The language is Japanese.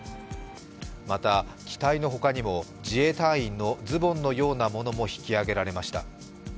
また機体のほかにも自衛隊員のズボンのようなものも引き揚げられました。